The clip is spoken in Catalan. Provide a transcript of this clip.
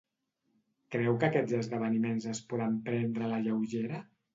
Creu que aquests esdeveniments es poden prendre a la lleugera?